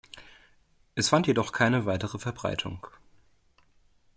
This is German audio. Es fand jedoch keine weite Verbreitung.